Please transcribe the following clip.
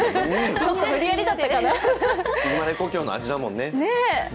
生まれ故郷の味だもんね。